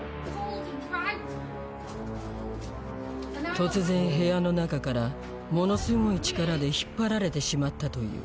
突然部屋の中からものすごい力で引っ張られてしまったという